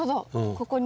ここに。